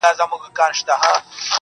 o د سترگو هره ائينه کي مي جلا ياري ده.